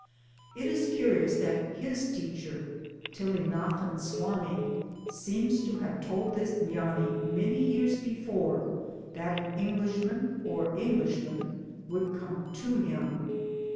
It is curious that his teacher (Tilleinathan Swamy) seems to have told this Gnani many years before that an Englishman or Englishmen would come to him.